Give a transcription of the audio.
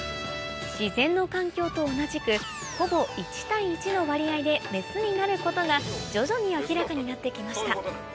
自然の環境と同じくほぼ１対１の割合でメスになることが徐々に明らかになって来ました